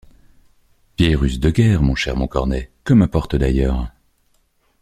Vieille ruse de guerre, mon cher Montcornet! que m’importe d’ailleurs?